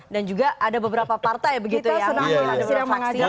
dan juga ada beberapa partai begitu ya